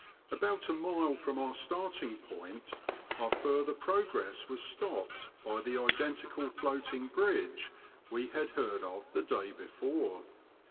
About a mile from our starting point our further pro gress was stopped by the identical floating bridge we had heard of the day before.